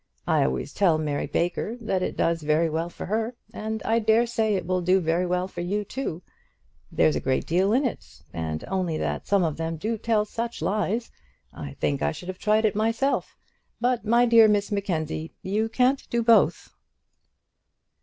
I always tell Mary Baker that it does very well for her, and I dare say it will do very well for you too. There's a great deal in it, and only that some of them do tell such lies I think I should have tried it myself. But, my dear Miss Mackenzie, you can't do both."